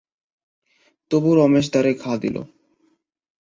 তবু রমেশ দ্বারে ঘা দিল।